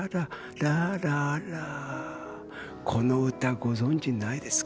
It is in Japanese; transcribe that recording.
この歌ご存じないですか？